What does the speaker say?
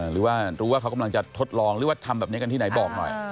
หรือว่ารู้ว่าเขากำลังจะทดลองหรือว่าทำแบบนี้กันที่ไหนบอกหน่อย